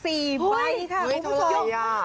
หุ้ยทรยา